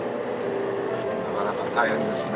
なかなか大変ですね。